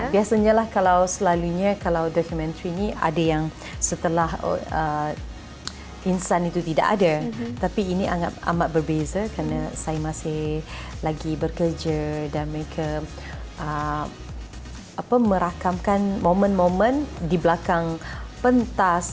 biasanya lah kalau selalunya kalau dokumenter ini ada yang setelah insan itu tidak ada tapi ini amat berbeza karena saya masih lagi bekerja dan mereka merakamkan momen momen di belakang pentas